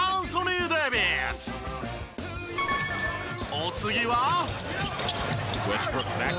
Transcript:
お次は。